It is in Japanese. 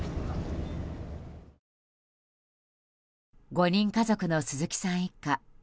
５人家族の鈴木さん一家。